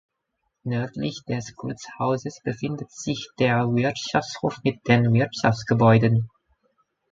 Nördlich des Gutshauses befindet sich der Wirtschaftshof mit den Wirtschaftsgebäuden.